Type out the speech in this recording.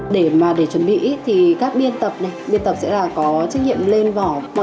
để mà để chuẩn bị thì các biên tập này biên tập sẽ là có trách nhiệm lên vỏ